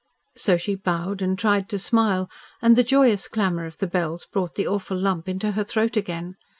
So she bowed and tried to smile, and the joyous clamour of the bells brought the awful lump into her throat again.